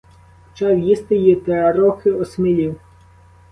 Почав їсти й трохи осмілів.